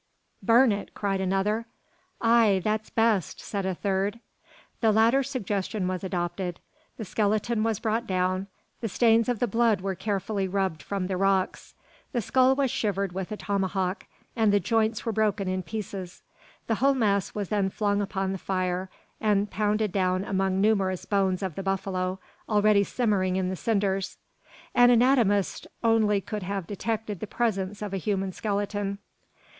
Burn it!" cried another. "Ay, that's best," said a third. The latter suggestion was adopted. The skeleton was brought down; the stains of the blood were carefully rubbed from the rocks; the skull was shivered with a tomahawk, and the joints were broken in pieces. The whole mass was then flung upon the fire, and pounded down among numerous bones of the buffalo, already simmering in the cinders. An anatomist only could have detected the presence of a human skeleton.